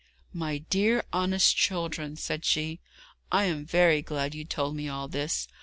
'My dear honest children,' said she, 'I am very glad you told me all this.